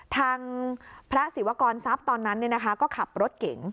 ทางพระศิวกรทรัพย์ตอนนั้นก็ขับรถเก๋ง